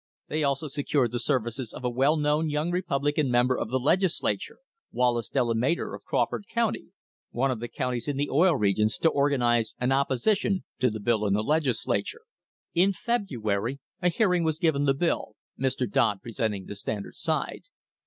They also secured the services of a well known young Republican member of the Legislature, Wallace Delemater, of Crawford County, one of the counties in the Oil Regions, to organise an opposition to the bill in the Legislature. * In February a hearing was given the bill, Mr. Dodd pre senting the Standard side.